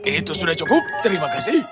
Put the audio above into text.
itu sudah cukup terima kasih